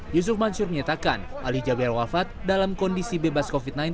yusuf mansur menyatakan ali jaber wafat dalam kondisi bebas covid sembilan belas